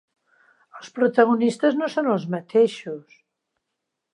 Els protagonistes no són els mateixos.